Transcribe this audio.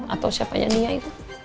atau siapanya nia itu